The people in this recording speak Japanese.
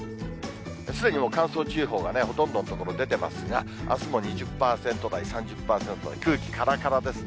すでにもう乾燥注意報がほとんどの所、出てますが、あすも２０％台、３０％は空気からからですね。